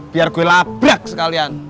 biar gue labrak sekalian